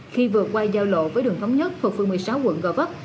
khi vượt qua giao lộ với đường thống nhất thuộc phương một mươi sáu quận gò vấp